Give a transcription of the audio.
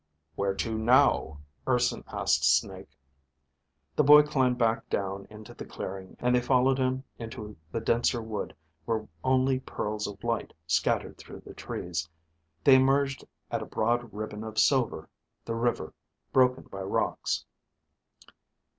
"Where to now?" Urson asked Snake. The boy climbed back down into the clearing and they followed him into the denser wood where only pearls of light scattered through the trees. They emerged at a broad ribbon of silver, the river, broken by rocks.